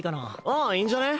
ああいいんじゃね？